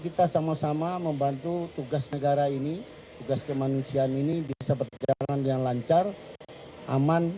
kita sama sama membantu tugas negara ini tugas kemanusiaan ini bisa berjalan dengan lancar aman